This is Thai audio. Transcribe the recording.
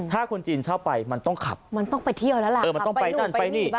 ถ้าคนจีนเช่าไปมันต้องขับมันต้องไปเที่ยวแล้วล่ะเออมันต้องไปนั่นไปนี่